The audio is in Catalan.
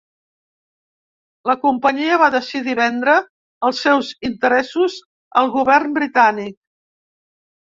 La Companyia va decidir vendre els seus interessos al govern britànic.